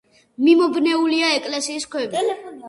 მიმობნეულია ეკლესიის ქვები.